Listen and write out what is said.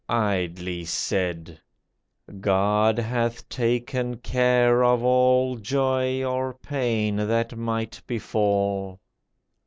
Idly said ! God hath taken care of all Joy or pain that might befall